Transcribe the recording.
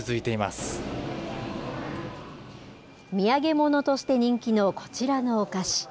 土産物として人気のこちらのお菓子。